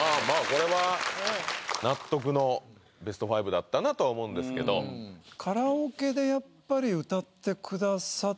これは納得のベスト５だったなとは思うんですけどそうですね